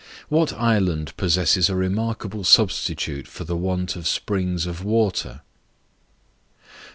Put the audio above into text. What island possesses a remarkable substitute for the want of springs of Water?